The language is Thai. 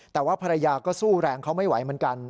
แต่ว่าภรรยาก็สู้แรงเขาไม่ไหวเหมือนกัน